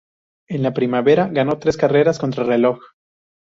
En la primavera, ganó tres carreras contrarreloj.